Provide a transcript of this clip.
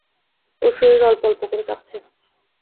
ওর শরীর অল্প-অল্প করে কাঁপছে।